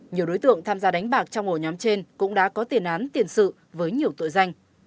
nhiều đối tượng tham gia đánh bạc trong ổ nhóm trên cũng đã có tiền án tiền sự với nhiều tội danh